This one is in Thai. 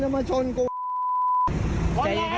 ยัวยังไงก็ได้นะ